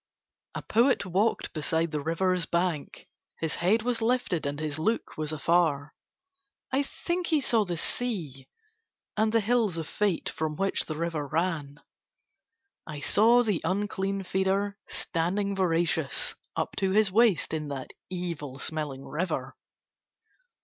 A poet walked beside the river's bank; his head was lifted and his look was afar; I think he saw the sea, and the hills of Fate from which the river ran. I saw the unclean feeder standing voracious, up to his waist in that evil smelling river.